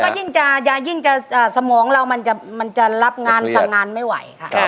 ก็ยิ่งจะยิ่งจะสมองเรามันจะรับงานสั่งงานไม่ไหวค่ะ